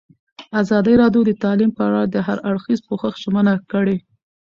ازادي راډیو د تعلیم په اړه د هر اړخیز پوښښ ژمنه کړې.